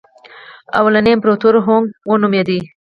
لومړنی امپراتور هونګ وو نومېده.